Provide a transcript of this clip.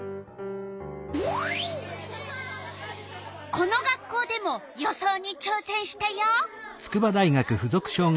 この学校でも予想にちょうせんしたよ。